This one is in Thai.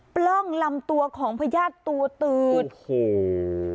ปล้องลำตัวของพญาติตัวตืดโอ้โห